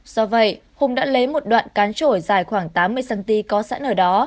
do vậy hùng đã lấy một đoạn cán trỗi dài khoảng tám mươi cm có sẵn ở đó